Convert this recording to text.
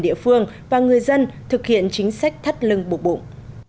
địa phương và người dân thực hiện chính sách thắt lưng bục bụng